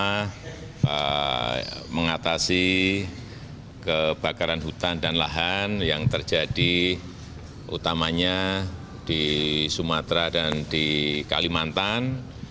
pertama mengatasi kebakaran hutan dan lahan yang terjadi utamanya di sumatera dan di kalimantan